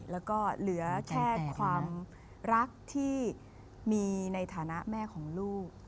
แล้วก็เหลือแค่ความรักที่มีในฐานะแม่ของลูก